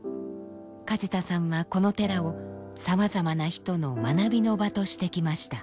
梶田さんはこの寺をさまざまな人の学びの場としてきました。